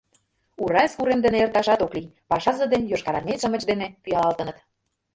Уральск урем дене эрташат ок лий — пашазе ден йошкарармеец-шамыч дене пӱялалтыныт.